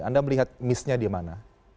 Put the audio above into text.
anda melihat miss nya di mana